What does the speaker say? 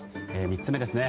３つ目ですね。